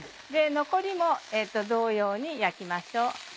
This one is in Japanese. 残りも同様に焼きましょう。